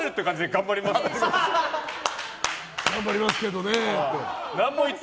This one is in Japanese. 頑張りますけどねって。